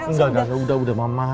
enggak enggak udah mama